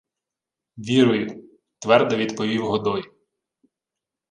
— Вірую, — твердо відповів Годой.